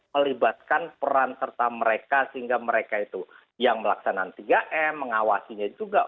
melibatkan peran serta mereka sehingga mereka itu yang melaksanakan tiga m mengawasinya juga